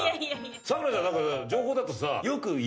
咲楽ちゃん何か情報だとさ。